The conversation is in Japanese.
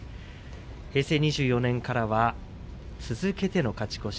平成２４年からは続けての勝ち越し